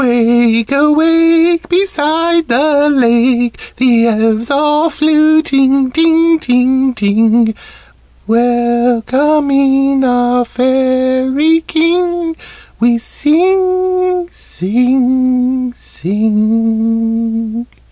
Wake, oh, wake! Beside the lake The elves are fluting, ting, ting, ting! Welcoming our Fairy King, We sing, sing, sing."